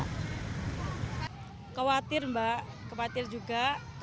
khawatir mbak khawatir juga